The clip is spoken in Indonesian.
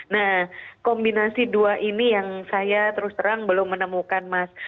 nah kombinasi dua ini yang saya terus terang belum menemukan mas